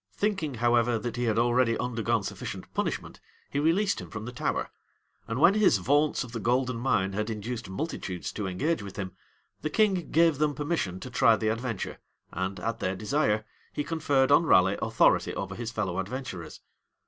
Thinking, however, that he had already undergone sufficient punishment, he released him from the Tower; and when his vaunts of the golden mine had induced multitudes to engage with him, the king gave them permission to try the adventure, and, at their desire, he conferred on Raleigh authority over his fellow adventurers.